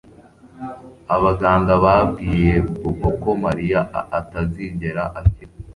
Abaganga babwiye Bobo ko Mariya atazigera akira